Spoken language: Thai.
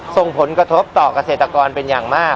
ทรงผลกระทบต่อกเศรษฐกรเป็นอย่างมาก